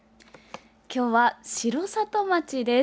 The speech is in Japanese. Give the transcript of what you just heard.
今日は城里町です。